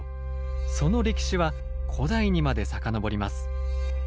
その歴史は古代にまで遡ります。